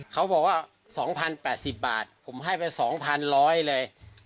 เขาบอกว่า๒๐๘๐บาทผมให้ไป๒๑๐๐เลย